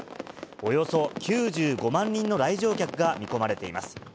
およそ９５万人の来場客が見込まれています。